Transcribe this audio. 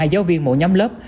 hai giáo viên mỗi nhóm lớp